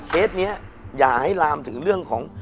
เคสนี้อย่าให้ลามถึงเรื่องของ